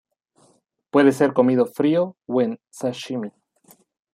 Puede ser comido frío o en sashimi.